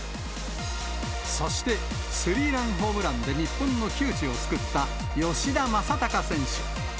そして、スリーランホームランで日本の窮地を救った吉田正尚選手。